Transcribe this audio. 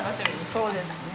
そうですね。